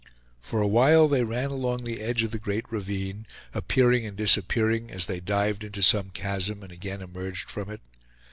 For a while they ran along the edge of the great ravine, appearing and disappearing as they dived into some chasm and again emerged from it.